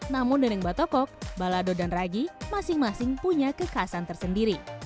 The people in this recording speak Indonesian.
namun dendeng batokok balado dan ragi masing masing punya kekasan tersendiri